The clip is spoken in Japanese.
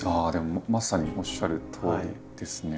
まさにおっしゃるとおりですね。